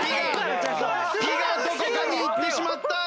「ピ」がどこかにいってしまった！